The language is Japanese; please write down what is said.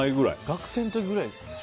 学生の時くらいですよね。